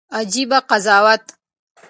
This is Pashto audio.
عجيبه قضاوت